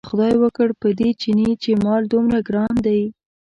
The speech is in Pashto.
که خدای وکړ په دې چیني چې مال دومره ګران دی.